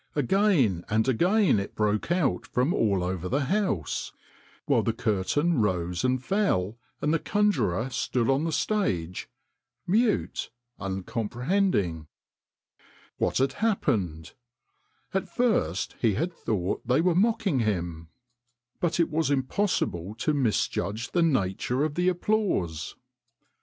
Again and again it broke out from all over the house, while the curtain rose and fell, and the conjurer stood on the stage, mute, uncomprehending. What had happened ? At first he had thought they were mocking him, but it was impossible to THE CONJURER 201 misjudge the nature of the applause.